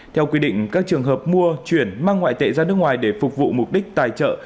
theo quy định các trường hợp mua chuyển mang ngoại tệ ra nước ngoài để phục vụ mục đích tài trợ